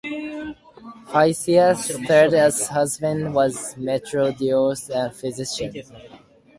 Pythias' third husband was Metrodorus, a physician.